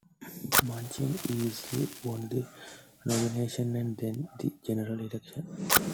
Manchin easily won the nomination and then the general election.